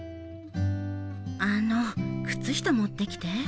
あの、靴下持ってきて。